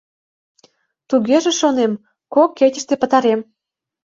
Тугеже, шонем, кок кечыште пытарем.